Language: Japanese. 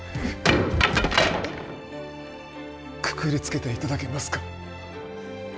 くくりつけて頂けますか？